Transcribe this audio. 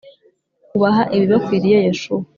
ubaha ibibakwiriye yoshuwa